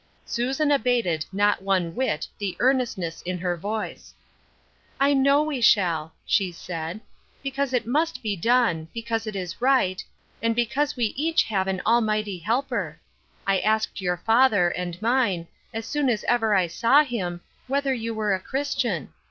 Susan abated not one whit the earnestness in her voice. " I know we shall," she said. " Because it must be done — because it is right — and be cause we each have an Almighty Helper. I asked your father, and mine, as soon as ever I saw him, whether you were a Christian.